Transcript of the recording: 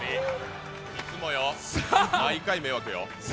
いつもよ、毎回迷惑よ。